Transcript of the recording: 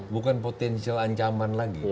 bukan potensial ancaman lagi